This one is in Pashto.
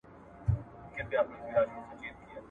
تاریخ په افغانستان کي ډېر ځله تکرار سوی دی.